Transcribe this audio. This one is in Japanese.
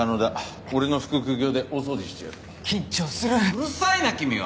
うるさいな君は！